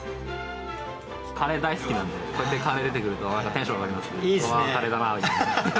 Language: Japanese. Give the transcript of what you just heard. カレー大好きなんで、こうやってカレー出てくると、テンション上がりますね。